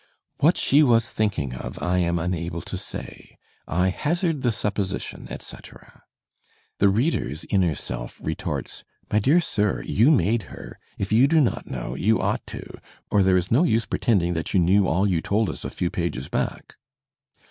" What she was think ing of I am unable to say. I hazard the supposition," etc. The reader's inner self retorts, "My dear sir, you made her; if you do not know, you ought to, or there is no use pre tending that you knew all you told us a few pages back."